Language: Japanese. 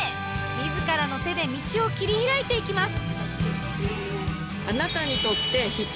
自らの手で道を切り開いていきます！